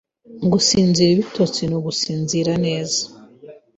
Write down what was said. Gusinzira ibitotsi nu gusinzira neza